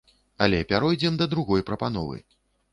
Але пяройдзем да другой прапановы.